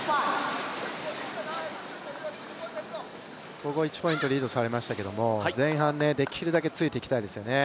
ここは１ポイントリードされましたけれども、前半できるだけついていきたいですよね。